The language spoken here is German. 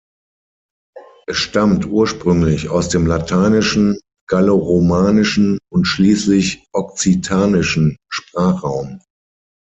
Es stammt ursprünglich aus dem lateinischen, galloromanischen und schließlich Okzitanischen Sprachraum.